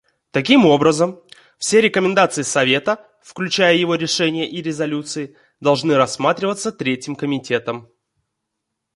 Таким образом, все рекомендации Совета, включая его решения и резолюции, должны рассматриваться Третьим комитетом.